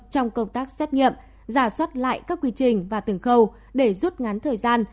trong công tác xét nghiệm giả soát lại các quy trình và từng khâu để rút ngắn thời gian